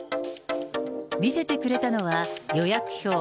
見せてくれたのは、予約表。